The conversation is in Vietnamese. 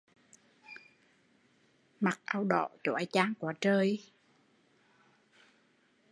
Mặc áo đỏ chói chang quá